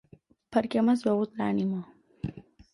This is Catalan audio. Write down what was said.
Perquè m'has begut l'ànima...